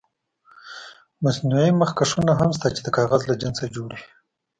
مصنوعي مخکشونه هم شته چې د کاغذ له جنسه جوړ وي.